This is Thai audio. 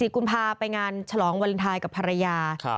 กุมภาพไปงานฉลองวาเลนไทยกับภรรยา